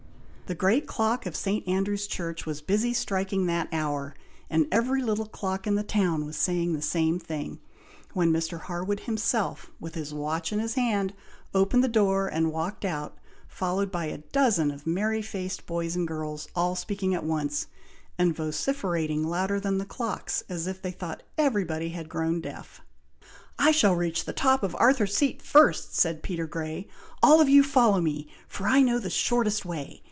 The great clock of St. Andrew's Church was busy striking that hour, and every little clock in the town was saying the same thing, when Mr. Harwood himself, with his watch in his hand, opened the door, and walked out, followed by a dozen of merry faced boys and girls, all speaking at once, and vociferating louder than the clocks, as if they thought everybody had grown deaf. "I shall reach the top of Arthur's Seat first," said Peter Grey. "All of you follow me, for I know the shortest way.